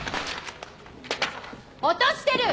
落としてる！